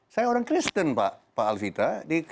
saya orang kristen pak alvita